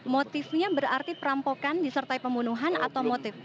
motifnya berarti perampokan disertai pembunuhan atau motif